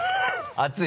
熱い？